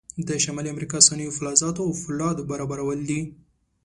د شمالي امریکا صنایع فلزاتو او فولادو برابرول دي.